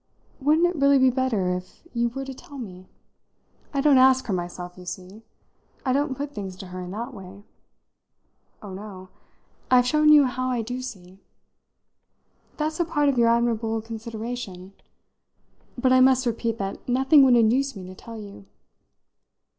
"Wouldn't it really be better if you were to tell me? I don't ask her myself, you see. I don't put things to her in that way." "Oh, no I've shown you how I do see. That's a part of your admirable consideration. But I must repeat that nothing would induce me to tell you."